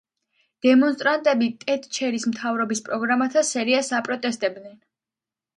დემონსტრანტები ტეტჩერის მთავრობის პროგრამათა სერიას აპროტესტებდნენ.